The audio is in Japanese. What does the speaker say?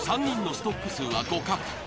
３人のストック数は互角。